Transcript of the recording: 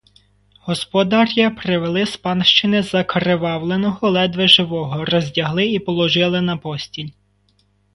Господаря привели з панщини закривавленого, ледве живого, роздягли і положили на постіль.